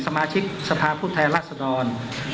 สมาชิกสภาพผู้แทนรัศดร